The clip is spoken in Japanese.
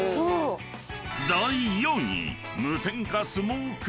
［第４位］